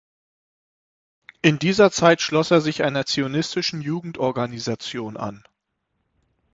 In dieser Zeit schloss er sich einer zionistischen Jugendorganisation an.